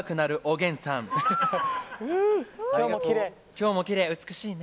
今日もきれい美しいね。